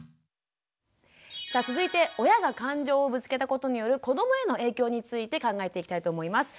さあ続いて親が感情をぶつけたことによる子どもへの影響について考えていきたいと思います。